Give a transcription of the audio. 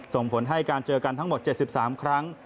ส่งผลให้การเจอกันทั้งหมด๗๓ครั้ง